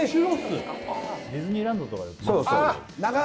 ディズニーランドとかでああ！